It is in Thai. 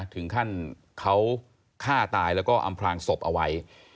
ถึงขั้นเขาฆ่าตายแล้วก็อำพลางศพเอาไว้